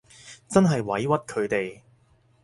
真係委屈佢哋